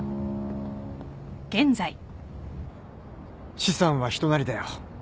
資産は人なりだよ。